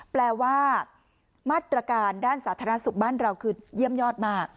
แปลว่ามาตรการด้านสาธารณสุขบ้านเราคือเยี่ยมยอดมาก